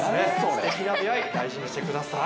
素敵な出会い大事にしてください。